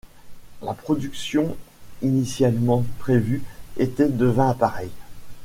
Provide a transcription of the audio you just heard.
La production initialement prévue était de vingt appareils.